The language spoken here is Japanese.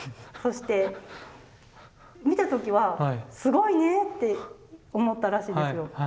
そして見た時は「すごいね」って思ったらしいんですよ。